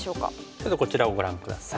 ちょっとこちらをご覧下さい。